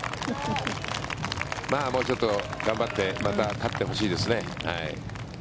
もうちょっと頑張ってまた勝ってほしいですね。